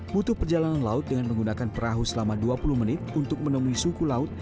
butuh perjalanan laut dengan menggunakan perahu selama dua puluh menit untuk menemui suku laut